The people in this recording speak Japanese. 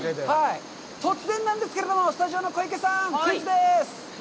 突然なんですけれども、スタジオの小池さん、クイズです。